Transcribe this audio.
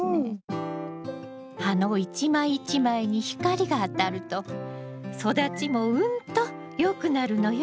葉の一枚一枚に光が当たると育ちもうんとよくなるのよ。